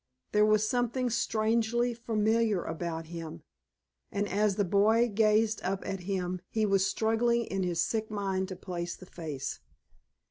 There was something strangely familiar about him, and as the boy gazed up at him he was struggling in his sick mind to place the face.